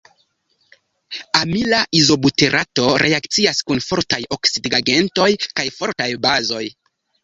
Amila izobuterato reakcias kun fortaj oksidigagentoj kaj fortaj bazoj.